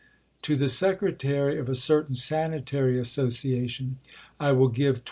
To the Secretary of a certain Sanitary Association: "I will give 21s.